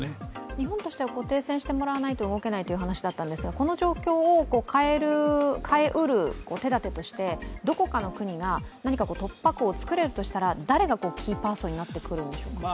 日本としては停戦してもらわないと救出できないということなんですがこの状況を変えうる手だてとしてどこかの国が何か突破口を作れるとしたら、誰がキーパーソンになるんでしょうか。